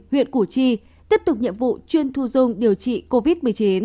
huyện củ chi tiếp tục nhiệm vụ chuyên thu dung điều trị covid một mươi chín